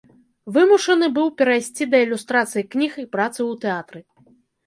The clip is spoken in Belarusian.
Вымушаны быў перайсці да ілюстрацыі кніг і працы ў тэатры.